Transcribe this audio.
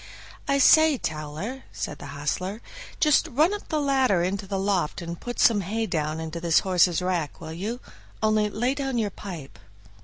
"I say, Towler," said the hostler, "just run up the ladder into the loft and put some hay down into this horse's rack, will you? only lay down your pipe."